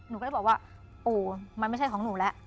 หนูก็เลยบอกว่าโอ้มันไม่ใช่ของหนูแล้ว